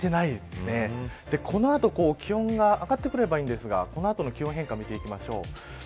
この後、気温が上がってくればいいんですがこの後の気温の変化を見ていきましょう。